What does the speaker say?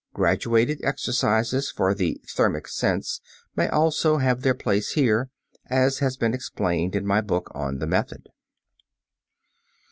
Graduated exercises for the thermic sense may also have their place here, as has been explained in my book on the "Method."